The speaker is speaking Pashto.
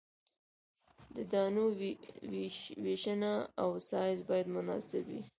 د دانو ویشنه او سایز باید مناسب وي